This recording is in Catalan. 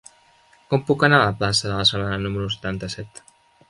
Com puc anar a la plaça de la Sardana número setanta-set?